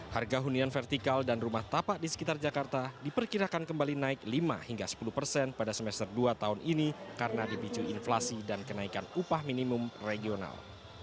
harga hunian vertikal dan rumah tapak di sekitar jakarta diperkirakan kembali naik lima hingga sepuluh persen pada semester dua tahun ini karena dipicu inflasi dan kenaikan upah minimum regional